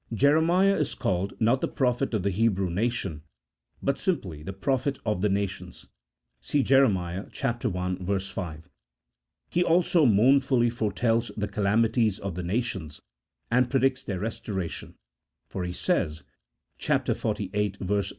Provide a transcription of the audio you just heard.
Jeremiah is called, not the prophet of the Hebrew nation, but simply the prophet of the nations (see Jer. i. 5). He also mournfully foretells the calamities of the nations, and predicts their restoration, for he says (xlviii.